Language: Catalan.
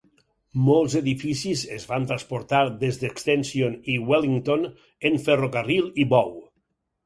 Molts edificis es van transportar des d'Extension i Wellington en ferrocarril i bou.